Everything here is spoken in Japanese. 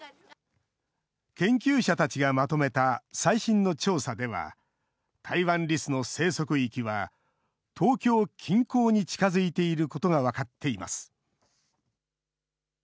研究者たちがまとめた最新の調査では、タイワンリスの生息域は東京近郊に近づいていることが分かっています。